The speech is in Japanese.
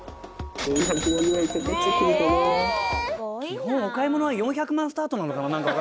基本お買い物は４００万スタートなのかな？